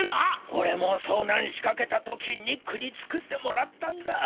おれもそうなんしかけた時ニックに作ってもらったんだ。